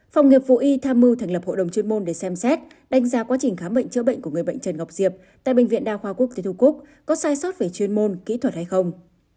phòng nghiệp vụ y tham mưu thành lập hội đồng chuyên môn để xem xét đánh giá quá trình khám bệnh chữa bệnh của người bệnh trần ngọc diệp tại bệnh viện đa khoa quốc tế thu cúc có sai sót về chuyên môn kỹ thuật hay không